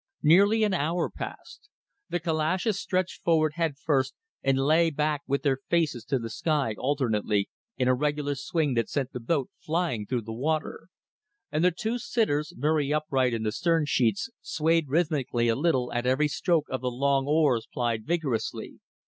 Nearly an hour passed. The calashes stretched forward head first and lay back with their faces to the sky, alternately, in a regular swing that sent the boat flying through the water; and the two sitters, very upright in the stern sheets, swayed rhythmically a little at every stroke of the long oars plied vigorously.